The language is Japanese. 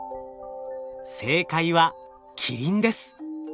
正解はキリンです。